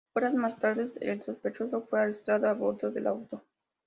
Horas más tardes el sospechoso fue arrestado a bordo del auto.